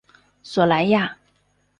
索莱亚。